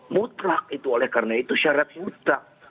mutrak itu oleh karena itu syarat mutrak